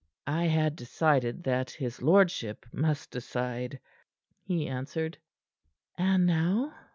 "I had decided that his lordship must decide," he answered. "And now?"